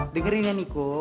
dengerin ya niko